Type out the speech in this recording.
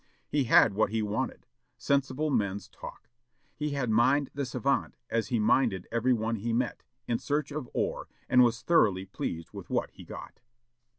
He had what he wanted sensible men's talk. He had mined the savant as he mined every one he met, in search of ore, and was thoroughly pleased with what he got."